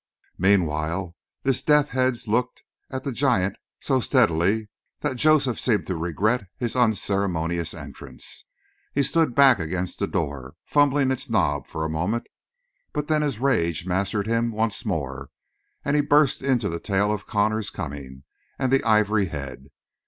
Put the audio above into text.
Meanwhile this death's head looked at the giant so steadily that Joseph seemed to regret his unceremonious entrance. He stood back against the door, fumbling its knob for a moment, but then his rage mastered him once more, and he burst into the tale of Connor's coming and the ivory head.